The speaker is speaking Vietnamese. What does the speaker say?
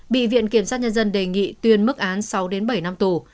bị viện kiểm soát nhân dân đề nghị tuyên mức án sáu bảy năm tù